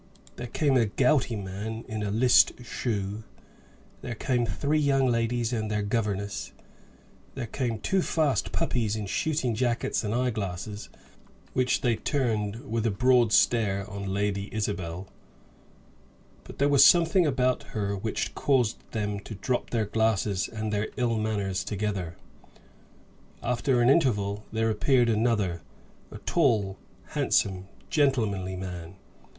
There came a gouty man, in a list shoe, there came three young ladies and their governess, there came two fast puppies in shooting jackets and eye glasses, which they turned with a broad stare on Lady Isabel; but there was something about her which caused them to drop their glasses and their ill manners together. After an interval, there appeared another, a tall, handsome, gentlemanly man.